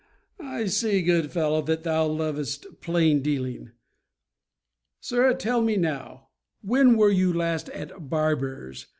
I see, good fellow, Thou lovest plain dealing. Sirrah, tell me now, When were you last at barbers?